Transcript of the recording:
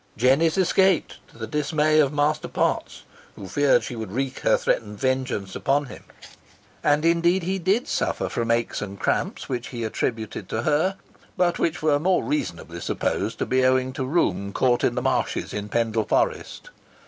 Jennet escaped, to the dismay of Master Potts, who feared she would wreak her threatened vengeance upon him. And, indeed, he did suffer from aches and cramps, which he attributed to her; but which were more reasonably supposed to be owing to rheum caught in the marshes of Pendle Forest.